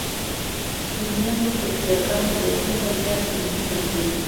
سنیانو پر شیعه ګانو بېحده زیات ظلمونه کړي.